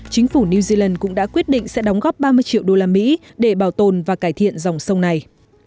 chính phủ new zealand cũng đã quyết định sẽ đóng góp ba mươi triệu usd để bảo tồn và cải thiện dòng sông này